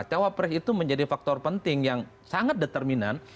cawapres itu menjadi faktor penting yang sangat determinan